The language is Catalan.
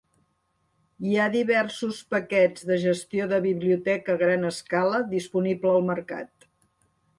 Hi ha diversos paquets de gestió de biblioteca a gran escala disponible al mercat.